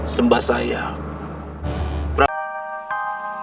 sembah saya prabu jaga manggolo